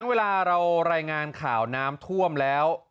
เวลาเรารายงานข่าวน้ำท่วมแล้ว